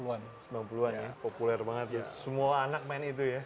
sembilan puluh an ya populer banget ya semua anak main itu ya